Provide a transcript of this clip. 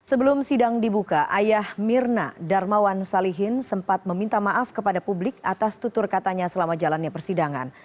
sebelum sidang dibuka ayah mirna darmawan salihin sempat meminta maaf kepada publik atas tutur katanya selama jalannya persidangan